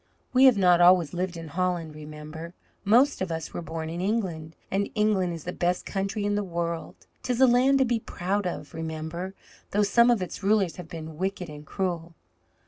"We have not always lived in Holland, Remember. Most of us were born in England, and England is the best country in the world. 'Tis a land to be proud of, Remember, though some of its rulers have been wicked and cruel.